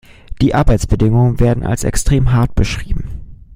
Die Arbeitsbedingungen werden als extrem hart beschrieben.